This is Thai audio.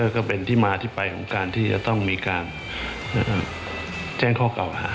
ก็เป็นที่มาที่ไปของการที่จะต้องมีการแจ้งข้อเก่าหา